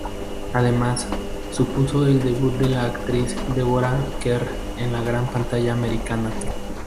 Además, supuso el debut de la actriz Deborah Kerr en la gran pantalla americana.